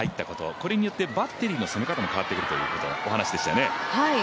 これによってバッテリーの攻め方も変わってくるというお話でしたよね。